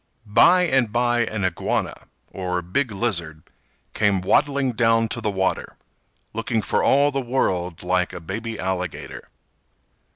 By and by an Iguana, or big lizard, came waddling down to the water, looking for all the world like a baby alligator.